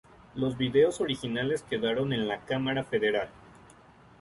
Los videos originales quedaron en la Cámara Federal.